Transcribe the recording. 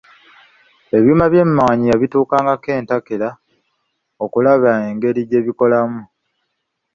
Ebyuma bye eby'emmwanyi yabituukangako entakera okulaba engeri gye bikolamu